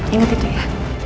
ingat itu ya